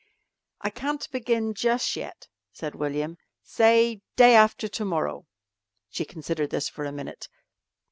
"I can't begin jus' yet," said William. "Say day after to morrow." She considered this for a minute.